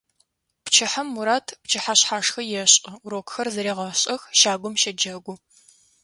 Пчыхьэм Мурат пчыхьэшъхьашхэ ешӏы, урокхэр зэрегъашӏэх, щагум щэджэгу.